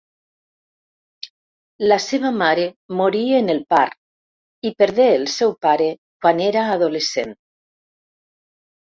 La seva mare morí en el part i perdé el seu pare quan era adolescent.